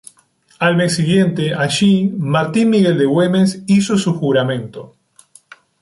Al mes siguiente allí Martín Miguel de Güemes hizo su juramento.